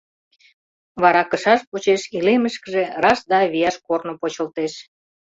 Вара кышаж почеш илемышкыжат раш да вияш корно почылтеш.